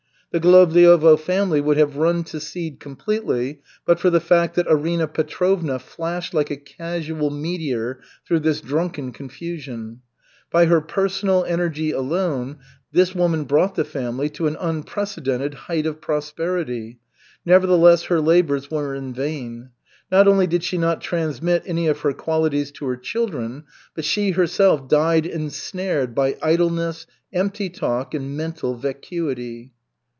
The Golovliovo family would have run to seed completely but for the fact that Arina Petrovna flashed like a casual meteor through this drunken confusion. By her personal energy alone this woman brought the family to an unprecedented height of prosperity. Nevertheless her labors were in vain. Not only did she not transmit any of her qualities to her children, but she herself died ensnared by idleness, empty talk and mental vacuity.